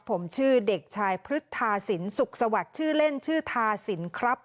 ผมชื่อเด็กชายพฤทธาสินสุขสวัสดิ์ชื่อเล่นชื่อทาสินครับ